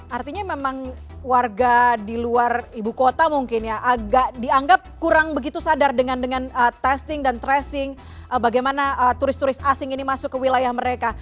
artinya memang warga di luar ibu kota mungkin ya agak dianggap kurang begitu sadar dengan testing dan tracing bagaimana turis turis asing ini masuk ke wilayah mereka